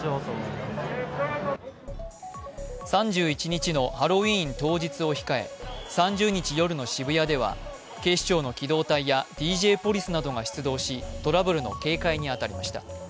３１日のハロウィーン当日を控え、３０日夜の渋谷では警視庁の機動隊やＤＪポリスなどが出動しトラブルの警戒に当たりました。